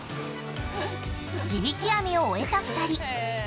◆地引き網を終えた２人。